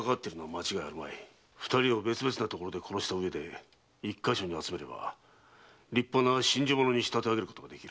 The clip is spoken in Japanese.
二人を別々な所で殺したうえで一か所に集めれば立派な心中者に仕立て上げることができる。